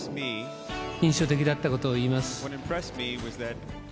印象的だったことを言います。